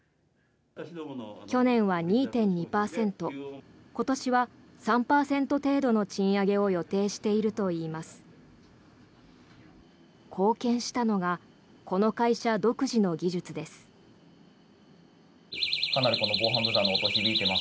去年は２．２％今年は３％程度の賃上げを予定しているといいます。